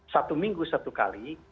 satu minggu satu kali